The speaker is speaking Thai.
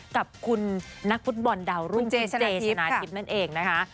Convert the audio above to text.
กับคุณนักฟุตบอลดาวรุ่นเจชนะทิพย์นั่นเองนะคะ